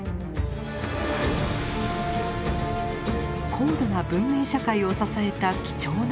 高度な文明社会を支えた貴重な水。